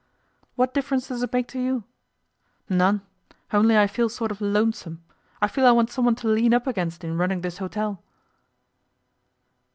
'What difference does it make to you?' 'None. Only I feel sort of lonesome. I feel I want someone to lean up against in running this hotel.